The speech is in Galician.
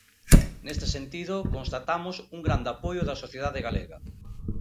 Neste sentido, constatamos un grande apoio da sociedade galega.